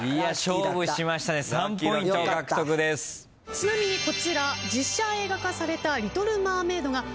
ちなみにこちら。